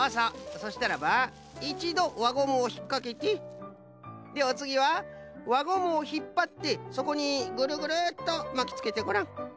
そしたらばいちどわゴムをひっかけてでおつぎはわゴムをひっぱってそこにぐるぐるっとまきつけてごらん。